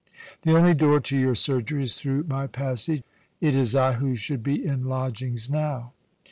The only door to your surgery is through my passage; it is I who should be in lodgings now."